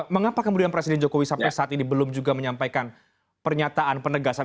mengapa kemudian presiden jokowi sampai saat ini belum juga menyampaikan pernyataan penegasan